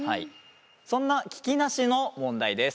そんな聞きなしの問題です。